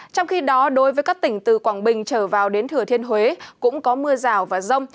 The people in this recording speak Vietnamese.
trong khi đó đối với các tỉnh từ quảng bình trở vào đến thừa thiên huế cũng có mưa rào và rông